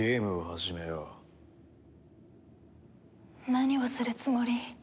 何をするつもり？